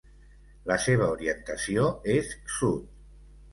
La seva orientació és sud.